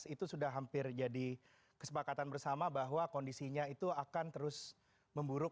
itu sudah hampir jadi kesepakatan bersama bahwa kondisinya itu akan terus memburuk